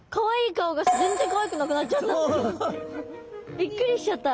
びっくりしちゃった。